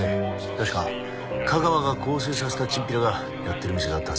確か架川が更生させたチンピラがやってる店があったはずだ。